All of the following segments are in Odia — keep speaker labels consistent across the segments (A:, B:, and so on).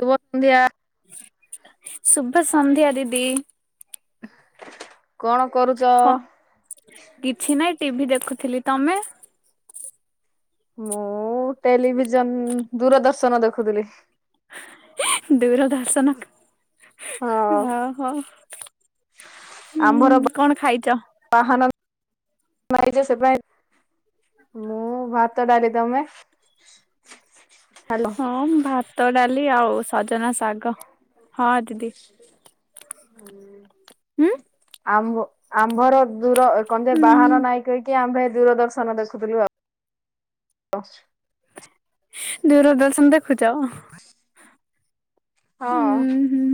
A: ଶୁଭସନ୍ଧ୍ୟା।
B: ଶୁଭସନ୍ଧ୍ୟା ଦିଦି।
A: କଣ କରୁଚ?
B: କଣ କିଛି ନାଇଁ ଟିଭି ଦେଖୁଥିଲି। ତମେ?
A: ମୁଁ ଟେଲିଭିଜନ, ଦୂରଦର୍ଶନ ଦେଖୁଥିଲି।
B: ଦୂରଦର୍ଶନକ
A: ହଁ
B: ଓହୋ। ହୁଁ କଣ ଖାଇଛ?
A: [unintelligible] ସେପାଇଁ ମୁଁ ଭାତ, ଡାଲି ତମେ? ହାଲୋ
B: ହଁ, ଭାତ, ଡାଲି ଆଉ ସଜନା ଶା ଶାଗ ହଁ, ଦିଦି। ଉଁ
A: ଆମ୍ବ ଆମ୍ଭର ଦୂର କଣଯେ
B: ହୁଁ
A: ବାହନ ନାଇଁ କହିକି ଆମ୍ଭେ ଦୂରଦର୍ଶନ ଦେଖୁଥିଲୁ ଆଉ
B: ଦୂରଦର୍ଶନ ଦେଖୁଛ?
A: ହଁ।
B: ହୁଁ।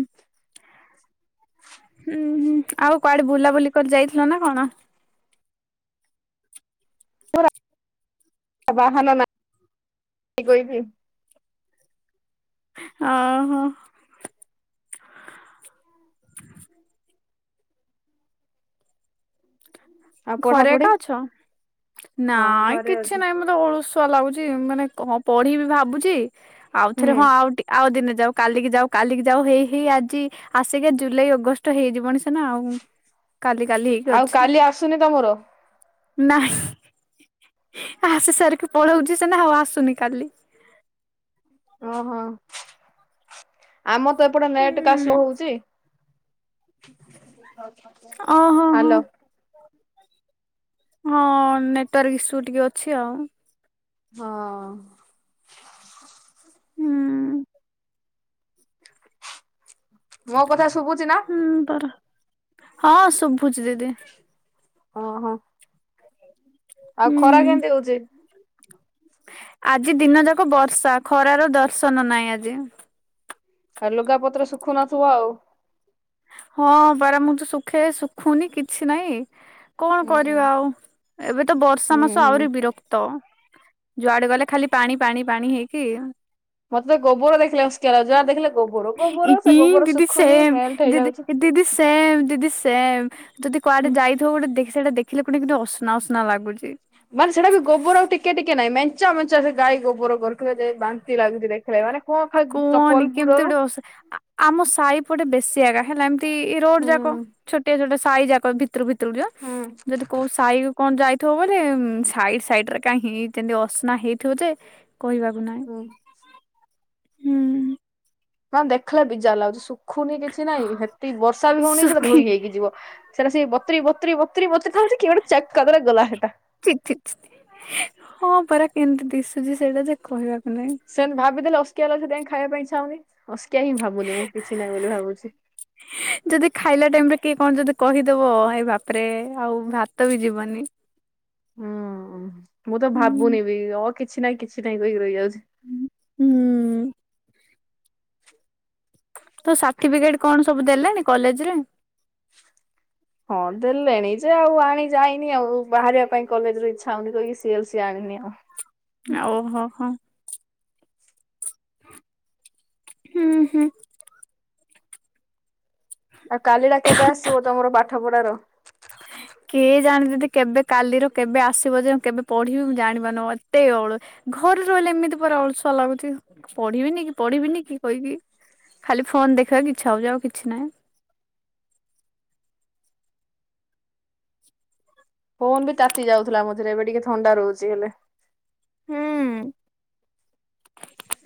B: ହୁଁ, ହୁଁ ଆଉ କୁଆଡେ ବୁଲାବୁଲି କରି ଯାଇଥିଲ ନା କଣ?
A: ବାହନ ନାଇ କୋଇ ବି।
B: ଓହୋ।
A: ଆଉ
B: ଘରେ
A: ପଢାପଢି?
B: ଏକା ଅଛ
A: ହଁ
B: ନାଇଁ
A: ଘରେ
B: କିଛି
A: ଅଛି।
B: ନାଇଁ ମତେ ଅଳସୁ ସୁଆ ଲାଗୁଛି ମାନେ କଣ ପଢିବିି ଭାବୁଛି ଆଉ ଥରେ
A: ହୁଁ
B: ହଁ, ଆଉ ଟି ଆଉ ଦିନେ ଯାଉ କାଲିକି ଯାଉ କାଲିକି ଯାଉ ହେଇ ହେଇ ଆଜି ଆସିକା ଜୁଲାଇ ଅଗଷ୍ଟ ହେଇଯିବନି ସିନା ଆଉ କାଲି କାଲି ହେଇକି
A: ଆଉ
B: ଅଛି।
A: କାଲି ଆସୁନି ତମର?
B: ନାହିଁ। ଆସି ସାରିକି ପଳଉଛି ସିନା ଆଉ ଆସୁନି କାଲି।
A: ଓହୋ ଆମର ତ ଏପଟେ ନେଟ କା ସ୍ଲୋ
B: ହୁଁ
A: ହଉଛି।
B: ଓହୋ ହୋ
A: ହାଲୋ।
B: ହଁ, ନେଟୱାର୍କ ଇସ୍ୟୁ ଟିକେ ଅଛି ଆଉ।
A: ହଁ।
B: ହୁଁ।
A: ମୋ କଥା ଶୁଭୁଛି ନା?
B: ହୁଁ ପରା ହଁ, ଶୁଭୁଛି ଦିଦି।
A: ଓହୋ। ଆଉ ଖରା
B: ହୁଁ
A: କେମିତି ହଉଚି?
B: ଆଜି ଦିନ ଯାକ ବର୍ଷା, ଖରାର ଦର୍ଶନ ନାହିଁ ଆଜି।
A: ଆଉ ଲୁଗା ପତ୍ର ଶୁଖୁନଥିବ ଆଉ
B: ହଁ, ପରା ମୁଁ ତ ଶୁଖାଏ, ଶୁଖୁନି କିଛି ନାଇଁ କଣ
A: ହୁଁ
B: କରିବା ଆଉ, ଏବେ ତ ବର୍ଷା ମାସ
A: ହୁଁ।
B: ଆହୁରି ବିରକ୍ତ। ଯୁଆଡେ ଗଲେ ଖାଲି ପାଣି, ପାଣି, ପାଣି ହେଇକି
A: ମୋତେ ତ ଗୋବର ଦେଖିଲେ ଅସ୍କା ଲାଗୁଚି। ଯାହା ଦେଖିଲେ ଗୋବର, ଗୋବର ସେ
B: ଇ
A: ଗୋବର
B: ଦିଦି
A: ଶୁଖୁନି
B: ସେମ୍
A: ମେଲ୍ଟ
B: ଦିଦି
A: ହେଇଯାଉଚି।
B: ଦିଦି ସେମ୍ ଦିଦି ସେମ୍। ଯଦି କୁଆଡେ ଯାଇଥିବ ଗୋଟେ ସେଟା ଦେଖିଲେ ପୁଣି ଗୋଟେ ଅସନା ଅସନା ଲାଗୁଛି।
A: ମାନେ ସେଟା ବି ଗୋବର ଟିକେ ଟିକେ ନାହିଁ, ମେଞ୍ଚା ମେଞ୍ଚା ସେ ଗାଈ ଗୋବର କରିଥିବେ ଯେ, ବାନ୍ତି ଲାଗୁଛି ରେ ଏମାନେ କଣ
B: କୁହନି କେମିତି ଗୋଟେ ଅସ, ଆମ ସାହିପଟେ ବେଶୀ ଜାଗା ହେଲା ଏମିତି ରୋଡ ଯାକ ଛୋଟିଆ ଛୋଟିଆ ସାଇ ଯାକ ଭିତରୁ ଭିତରୁ ଯିବ
A: ହୁଁ
B: ଯଦି କୋଉ ସାହି କଣ ଯାଇ ଥିବ ମାନେ ସାଇଡ ସାଇଡ ରେ କାହିଁ, ହେମତି ଅସ୍ନା ହେଇଥିବ ଯେ କହିବାକୁ ନାଇଁ,
A: ହୁଁ।
B: ହୁଁ ଉଁ
A: ନା ଦେଖିଲେ ବିଜା ଲାଗୁଛି, ଶୁଖୁନି କିଛି ନାଇଁ ହେତିି ବର୍ଷା ବି ହଉନି ସେଟା
B: ଶୁଖି
A: ଧୋଇ ହେଇକି ଯିବ। ସେଟା ସେ ବତ୍ରୀ ବତୁର ବତୁରୀ ବତୁର ଥାଉଛି କି ଗୋଟେ ଚକ୍ କଦରେ ଗଲା ସେଟା।
B: ଛି ଛି ଛି ହଁ ପରା କେମତି ଦିଶୁଛି ସେଇଟା ଯେ କହିବାକୁ ନାହିଁ।
A: ସେ ଭାବି ଦେଲେ ଅସକିଆ ଲାଗୁଚି, ସେ ପାଇଁ ଖାଇବା ପାଇଁ ଇଛା ହଉନି ଅସିକିଆ ହିଁ ଭାବୁନି, ମୁଁ କିଛି ନାହିଁ ବୋଲି ଭାବୁଛି।
B: ଯଦି ଖାଇଲା ଟାଇମ ରେ କିଏ କଣ ଯଦି କହିଦବ, ଏଇ ବାପରେ ଆଉ ଭାତ ବି ଯିବନି
A: ହୁଁ ମୁଁ ତ
B: ହୁଁ
A: ଭାବୁନି ବି, ଆଉ କିଛି ନାହିଁ, କିଛି ନାହିଁ, କହିକି ରହିଯାଉଛି
B: ହୁଁ [unintelligible]
A: [unintelligible]
B: ତ ସାର୍ଟିଫିକେଟ କଣ ସବୁ ଦେଲେଣି କଲେଜରେ?
A: ହଁ ଦେଲେଣି ଯେ -ଆଉ ଆଣି ଯାଇନି ଆଉ ବାହାରିବା ପାଇଁ କଲେଜ ର ଇଛା ହଉନି କହିକି, ସିଏଲ ସ ଆଣିନି ଆଉ।
B: ଆଉ ହ ହ ହୁଁ ହୁଁ
A: ଆଉ କାଲି ଟା କେବେ ଆସିବ ତମର ପାଠପଢ଼ାର।
B: କିଏ ଜାଣେ ଦିଦି କେବେ କାଲିରୁ କେବେ ଆସିବ ଯେ କେବେ ପଢିବି ମୁ ଜାଣିବା ନ ଏତେ ଅଳୁ ଘରେ ରହିଲେ ଏମିତି ପ ଅଳସୁଆ ଲାଗୁଛି ପଢିବିନି କି। ପଢିବିନି କି କହିକି, ଖାଲି ଫୋନ ଦେଖିବାକୁ ଇଛା ହଉଛି ଆଉ କିଛି ନାହିଁ। [inaudible]
A: ଫୋନ ବି ତାତି ଯାଉଥିଲା ମଝିରେ, ଏବେ ଟିକେ ଥଣ୍ଡା ରହୁଛି ହେଲେ।
B: ହୁଁ ଉଁ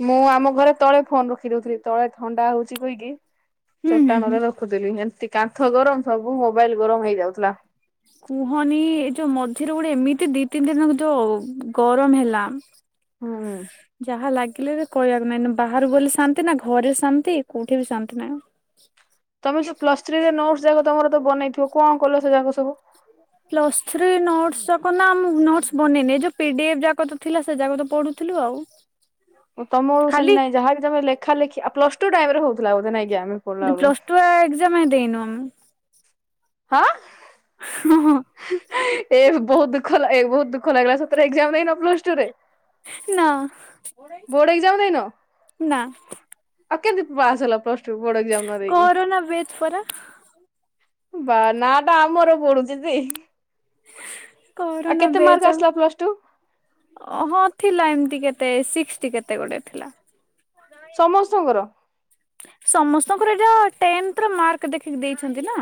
A: ମୁଁ ଆମ ଘରେ ତଳେ ଫୋନ ରଖିଦଉଥିଲି, ତଳେ ଥଣ୍ଡା ହଉଛି କହିକି
B: ହୁଁ ହୁଁ ହୁଁ
A: ଚଟାଣରେ ରଖୁଥିଲି ଏମିତି କାନ୍ଥ ଗରମ ସବୁ ମୋବାଇଲ ଗରମ ହେଇଯାଉଥିଲା।
B: କୁହନି ଏ ଯୋଉ ମ ଏଥିରେ ଗୋଟେ ଏମିତି ଦି ତିନି ଦିନ ଯୋଉ ଗରମ ହେଲା।
A: ହୁଁ।
B: ଯାହା ଲାଗିଲେ ବି କହିବାକୁ ନାଇଁ ବାହହାରକୁ ଗଲେ ଶାନ୍ତି ନା ଘରେ ଶାନ୍ତି କୋଉଠି ବି ଶାନ୍ତି ନାହିଁ।
A: ତମେ ଯୋଉ ପ୍ଲସ ଥ୍ରୀରେ ନୋଟ ଯାକ ତମର ତ ବନେଇଥିବ, କଣ କଲ ସେ ଯାକ ସବୁ?
B: ପ୍ଲସ୍ ଥ୍ରୀ ନୋଟ ଆସକ ନା ମୁ ନୋଟ ବନେଇନି, ଯୋଉ ପିଡିଏଫ୍ ଜାଗତ ଥିଲା ସେ ଜାଗତ ପଢୁଥିଲୁ ଆଉ
A: ତମରକୁ
B: ଖାଲି
A: ସେନ ନାଇଁ ଯାହାବି ତମେ ଲେଖାଲେଖି ଆ ପ୍ଲସ ଟୁ ଟାଇମ ରେ ହଉଥିଲା ବୋଧେ ନାଇଁ? କି ଆମେ ପଢିଲା ବେଳକୁ
B: ପ୍ଲସ୍ ଟୁ ଆ ଏକ୍ସାମ ଦେଇନୁ ଆମେ।
A: ହାଁ
B: ହଁ ହଁ
A: ଏ ବହୁତ ଦୁଃଖଲା, ବହୁତ ଦୁଃଖ ଲାଗିଲା, ସତରେ ଏକ୍ଜାମ ଦେଇନ ପ୍ଲସ ଟୁରେ?
B: ନା
A: ବୋର୍ଡ ଏକ୍ଜାମ ଦେଇନ
B: ନା
A: ଆଉ କେମିତି ପାସ୍ ହେଲା ପ୍ଲସ ଟୁ ବୋର୍ଡ ଏକ୍ଜାମ ନଦେଇ କି?
B: କରୋନା ବେଚ୍ ପରା
A: ବା ନା ନାଁଟା ଆମର ପଢୁଛି ଯେ। ଆଉ
B: କରନା
A: କେତେ
B: ବେ
A: ମାର୍କ
B: ଚ,
A: ଆସିଲା ପ୍ଲସ ଟୁ
B: ହଁ ଥିଲା ଏମିତି କେ ତେ ସିକ୍ସଟି କେତେ ଗୁଡ଼ିଏ ଥିଲା।
A: ସମସ୍ତଙ୍କର?
B: ସମସ୍ତଙ୍କର ଏଟା ଟେନଥର ମାର୍କ ଦେଖି ଦେଇଛନ୍ତି ନା।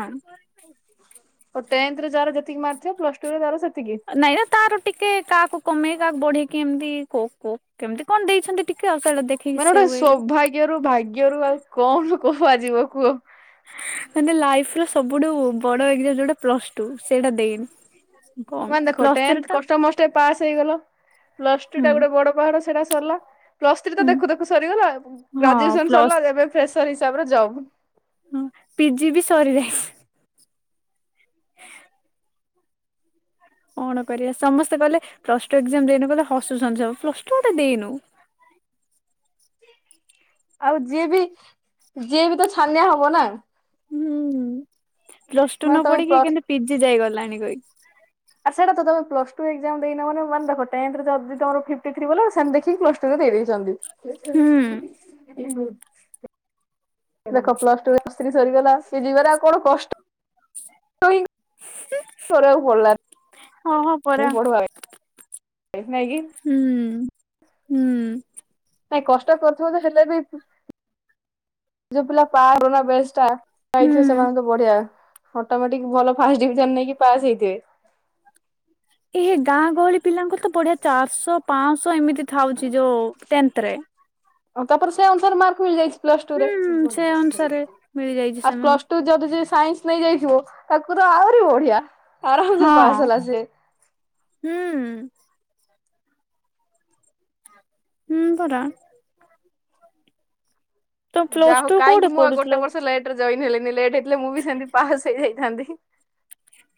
A: ଓ ଟେନ୍ଥରେ ଯାର ଯେତିକି ମାର୍କ ଥିଲା ପ୍ଲସ ଟୁରେ ତାର ସେ
B: ନାଇଁ ନା ତାର ଟିକେ କାହାକୁ କମେଇ କାହାକୁ ବଢେଇକି ଏମିତି କୋ କୋ କେମିତି କଣ ଦେଇଛନ୍ତି ଟିକେ। ଆଉ ସେଇଟା ଦେଖିକି
A: ମାନେ
B: ସେ
A: ଗୋଟେ
B: ୱେରେ
A: ସୌଭାଗ୍ୟରୁ ଭାଗ୍ୟରୁ ଆଉ କଣ କୁହାଯିବ କୁହ।
B: ଲାଇଫ ର ସବୁଠୁ ବଡ ଏକ୍ଜା ଯୋଉଟା ପ୍ଲସ ଟୁ ସେଇଟା ଦେଇନି। କଣ
A: ମାନେ ଦେଖ
B: ପ୍ଲସ୍ ଥ୍ରୀ
A: ଟେନ୍ଥ
B: ତ
A: କଷ୍ଟମଷ୍ଟେ ପାସ୍ ହେଇଗଲ। ପ୍ଲସ ଟୁ
B: ହୁଁ
A: ଟା ଗୋଟେ ବଡ ପାହାଡ ସେଟା ସରିଲା ପ୍ଲସ ଥ୍ରୀ ତ
B: ହୁଁ
A: ଦେଖୁ ଦେଖୁ ସରିଗଲା ଆଉ,
B: ହଁ
A: ଗ୍ରାଜୁଏସନ୍‌
B: ପ୍ଲସ୍
A: ସରିଲା ଏବେ ଫ୍ରେସର ତା ପରେ ଜବ୍।
B: ହଁ ପିଜି ବି ସରି ଯାଇଚି। କଣ କରିବା ସମସ୍ତେ କହିଲେ ପ୍ଲସ ଟୁ ଏକଜାମ୍ ଦେଇନୁ କହିଲେ ହସୁଛନ୍ତି ସବୁ, ପ୍ଲସ ଟୁ ଗୋଟେ ଦେଇନୁ। [inaudible]
A: ଆଉ ଯିଏ ବି, ଯିଏ ବି ତ ଛାନିଆ ହବ ନା।
B: ହୁଁ ପ୍ଲସ ଟୁ
A: ମାନେ
B: ନ
A: ତମେ
B: ପଢିକି କେତି ପିଜି ଯାଇଗଲାଣି କହିକି।
A: ଆଉ ସେଟା ତ ତମେ ପ୍ଲସ୍ଟୁ ଏକଜାମ ଦେଇନ ମାନେ ମାନେରଖ ଟେନଥରେ ଯଦି ତମର ଫିପଟି ଥ୍ରୀ ବୋଲେ ସେ ଦେଖିକି ପ୍ଲସ ଟୁରେ ଦେଇ ଦେ ଛନ୍ତି।
B: ହୁଁ।
A: [inaudible] ଦେଖ ପ୍ଲସ ଟୁ ପ୍ଲ ଥ୍ରୀ ସରିଗଲା ସେ ଯିବାରେ ଆଉ କଣ କଷ୍ଟ [inaudible]
B: ହଁ ହଁ ପରା।
A: ପଢିବା ନାଇଁ କି,
B: ହୁଁ ହୁଁ।
A: ନାଇଁ କଷ୍ଟ କରିୁଥିବ ତ ହେଲେ ବି ଯୋଉ ପିଲା [inaudible] ପାଇଥିବେ
B: ହୁଁ।
A: ସେମାନ ତ ବଢିଆ। ଅଟୋମେଟିକ ଭଲ ଫାଷ୍ଟ ଡିଭିଜନ ନେଇକି ପାସ୍ ହେଇଥିବେ।
B: ଏ ହେ ଗାଁ ଗହଳି ପିଲାଙ୍କୁ ତ ବଢିଆ ଚାରିଶହ ପାଶହ ଏମିତି ଥାଉଛି ଯୋଉ ଟେନଥରେ
A: ତାପରେ ସେ ଅନୁସାରେ ମାର୍କ ମିଳିଯାଇଛି
B: ହୁଁ
A: ପ୍ଲସଟୁରେ।
B: ସେ ଅନୁସାରେ ମିଳିଯାଇଛି
A: ଆ
B: ସେମାନଙ୍କୁ
A: ପ୍ଲସଟୁ ଯଦି ଯିଏ ସାଇନ୍ସ ନେଇଯାଇଥିବ ତାକୁ ତ ଆହୁରି ବଢିଆ। ଆରାମ ସେ
B: ହଁ
A: ପାସ୍ ହେଲା ସେ।
B: ହୁଁ। ହୁଁ ପରା। ତ
A: ଯା
B: ପ୍ଲସ
A: ହଉ
B: ଟୁ କୋଉଠି
A: କାହିଁକି ମୁଁ ଆ
B: ପଢୁଥିଲ?
A: ଗୋଟେ ବର୍ଷ ଲେଟରେ ଯଇନ ହେଲିନି ଲେଟ୍ ହେଇଥିଲେ, ମୁଁ ବି ସେମିତି ପାସ୍ ହେଇଯାଇଥାନ୍ତି।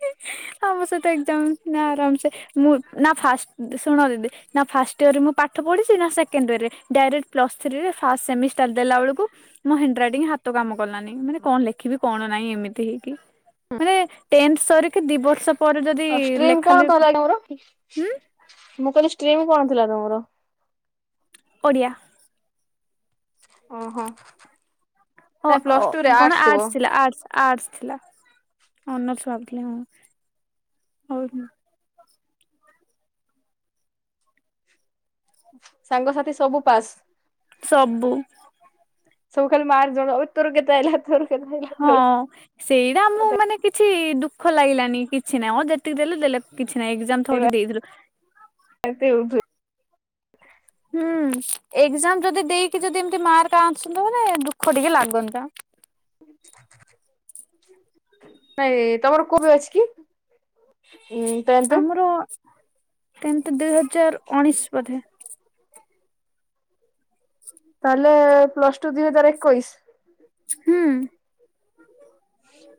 B: ହି ହି, ଆମୋ ସହିତ ଏକଜାମ ନା ଆରାମସେ ମୁଁ ନା ଫାଷ୍ଟ ଶୁଣ ଦିଦି ନା ଫାଷ୍ଟ ଇୟରରେ ମୁଁ ପା ପାଠ ପଢ଼ିଚି ନା ସେକେଣ୍ଡରେ ଡାଇରେକ୍ଟ ପ୍ଲସ ଥ୍ରି ରେ ଫାଷ୍ଟ ସେମିଷ୍ଟାର ଦେଲା ଏଳୁକୁ ମୁ ହ୍ୟାଣ୍ଡ୍ରିଟିଙ୍ଗ ହାତ କାମ କଲାନି ମାନେ କଣ ଲେଖିବି କଣ ନାହିଁ ଏମିତି ହେଇକି। ମାନେ ଟେନ୍ଥ ସରିକି ଦି ବର୍ଷ ପରେ ଯଦି
A: ଆଉ ଷ୍ଟିରିମ
B: ଲେଖା
A: କଣ
B: ଲେଖି
A: ଥିଲା ତମର,
B: ହୁଁ
A: ମୁଁ କହିଲି ଷ୍ଟିରିମ କଣ ଥିଲା ତମର?
B: ଓଡ଼ିଆ।
A: ଓହୋ।
B: ହ
A: ନାଇଁ
B: ଓ
A: ପ୍ଲସ ଟୁ ରେ
B: କଣ
A: ଥିବ
B: ଆର୍ଟସ୍ ଥିଲା ଆର୍ଟସ୍। ଆର୍ଟସ୍ ଥିଲା ଅନର୍ସ ଭାବୁଥିଲି ହଁ ହଉ।
A: ସାଙ୍ଗସାଥି ସବୁ ପାସ୍।
B: ସବୁ।
A: ସବୁ ଖାଲି ମାର୍କ ଜଣାଅ ତୋର କେତେ ଆଇଲା ତୋର କେତେ ଆଇଲା
B: ହଁ
A: ତୋର
B: ସେଇଟା ଆମ ମାନେ କିଛି କିଛି ଦୁଃଖ ଲାଗିଲାନି କିଛି ନାହିଁ ଆଉ ଯେତିକି ଦେଲେ ଦେଲେ କିଛି। ନା ଏକ୍ଜାମ ଥୋଡି ଦେଇଥିଲୁ।
A: [inaudible]
B: ହୁଁ ଏକ୍ଜାମ ଯଦି ଦେଇକି ଯଦି ଏମତି ମାର୍କ ଆଣସନ୍ ମାନେ ଦୁଃଖ ଟିକେ ଲାଗନ୍ତା। [inaudible]
A: ହାଏ ତମର କଉ ବ୍ୟାଚ କି? ଉଁ ଟେନ୍ଥ।
B: ଆମର ଟେନ୍ଥ ଦୁଇ ହଜାର ଉଣିଶି ବଧେ।
A: ତାହଲେ ପ୍ଲସ ଟୁ ଦି ହଜାର ଏକୋଇଶ।
B: ହୁଁ।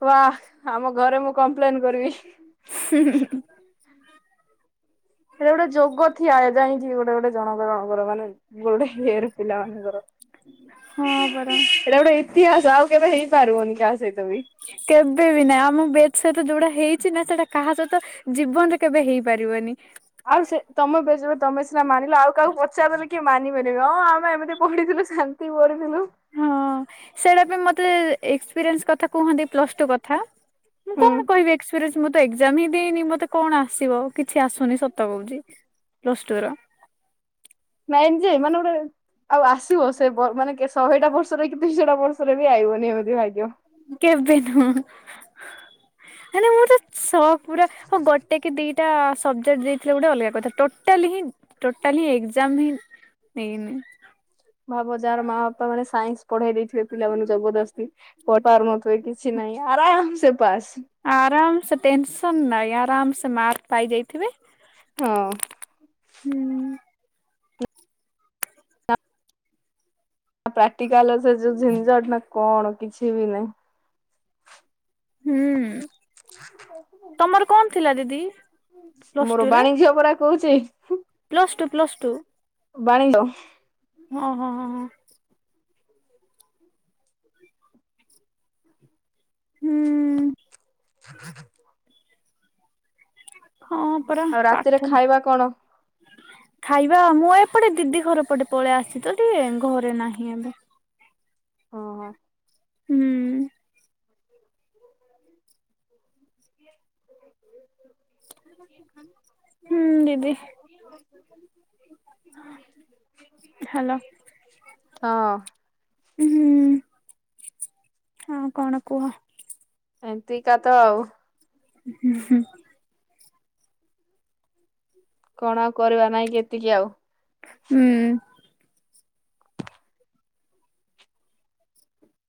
A: ବା ଆମ ଘରେ ମୁଁ କମ୍ପ୍ଲେନ କରିବି।
B: [unintelligible]
A: ହେଟା ଗୋଟେ ଯୋଗ ଥିଆ ଯାାଇଁଛି ଗୋଟେ ଗୋଟେ ଜଣଙ୍କ ଜଣଙ୍କର ମାନେ। ଗୋଟେ ଇଅର ପିଲାମାନଙ୍କର
B: ହଁ ପରା।
A: ହେଟା ଗୋଟେ ଇତିହାସ ଆଉ। କେବେ ହେଇପାରବନି କା ସହି
B: କେବେ ବି ନାଇଁ ଆମ ବେ ସେଥିରେ ଯୋଉଟା ହେଇଛି ନା ସେଟା କାହା ସହିତ ଜୀବନରେ କେବେ ହେଇପାରିବନି।
A: ଆଉ ସେ ତମ ବ୍ୟାଚ୍ ରେ ତମେ ସିନା ମାନିଲ ଆଉ କାହାକୁ ପଚାରିଦେଲେ କିଏ ମାନିିବେନି ହଁ ଆମେ ଏମିତି ପଢିଥିଲୁ ଶାନ୍ତି ପଢିଥିଲୁ
B: ହଁ ସେଇଟା ପାଇଁ ମତେ ଏକ୍ସପିରିଏନ୍ସ କଥା କୁହନ୍ତି ପ୍ଲସ୍ ଟୁ କଥା। ମୁଁ
A: ହୁଁ
B: କଣ କହିବି ଏକ୍ସପିରିନ୍ସ ମୁଁ ତ ଏକ୍ଜାମ ହିଁ ଦେଇନି ମତେ କଣ ଆସିବ। କିଛି ଆସୁନି ସତ କହୁଛି ପ୍ଲସ ଟୁ ର
A: ନାଇଁ ଜେ ମାନେ ଗୁଟେ ଆଉ ଆସିବ ସେ ମାନେ ଶହେଟା ବର୍ଷରେ କି ଦୁଇଶଟା ବର୍ଷରେ ବି ଆଇବନି ଏମିତି ଭାଗ୍ୟ
B: କେବେ ନୁହଁ କାଇଁକିନା ମୁଁ ତ ସ ପୁରା ହଉ ଗୋଟେ କି ଦିଟା ସବଜେକ୍ଟ ଦେଇଥିଲେ ଗୋଟେ ଅଲଗା କଥା। ଟୋଟାଲି ହିଁ ଟୋଟାଲିଁ ଏକ୍ଜାମ ହିଁ ନେଇନି
A: ଭାବ ଯାହାର ମା ବାପା ମାନେ ସାଇନ୍ସ ପଢେଇ ଦେଇଥିବେ ପିଲାମାନାନଙ୍କୁ ଜବରଦସ୍ତି ପଢ ପାରୁନଥିବେ କିଛି ନାଇଁ। ଆରାମ ସେ ପାସ୍
B: ଆରାମ ସେ ଟେନସନ ନାଇଁ ଆରାମ ସେ ମାର୍କ ପାଇ ଯାଇଥିବେ।
A: ହଁ
B: ହୁଁ
A: ନା ପ୍ରାକ୍ଟିକାଲ ସେ ଯୋଉ ଝିଞ୍ଝଟ ନା କଣ କିଛି ବି ନାଇ
B: ହୁଁ ତମର କଣ ଥିଲା ଦିଦି? ପ୍ଲସ ଟୁ
A: ମୋର
B: ରେ?
A: ବାଣୀଜ୍ୟ ପରା କହୁଚି।
B: ପ୍ଲସ ଟୁ ପ୍ଲସ
A: ବାଣୀଲୋ
B: ଓ ହଁ ହଁ ହଁ ହୁଁ।
A: [unintelligible]
B: ହଁ ପରା
A: ଆଉ ରାତିରେ
B: ପାଠ
A: ଖାଇବା କଣ
B: ଖାଇବା ମୁଁ ଏପଟେ ଦିଦି ଘର ପଟେ ପଳେଇ ଆସି ତ ଟିକେ ଘରେ ନାହିଁ ଏବେ
A: ଓ ହ
B: ହୁଁ ହୁଁ ଦିଦି ହ୍ୟାଲୋ
A: ହଁ
B: ହୁଁ ହଁ କଣ କୁହ?
A: ଏମତି କା ତ ଆଉ
B: ହୁଁ ହୁଁ
A: କଣଆଉ କରିବା ନାଇଁକି ଏତିକି ଆଉ।
B: ହୁଁ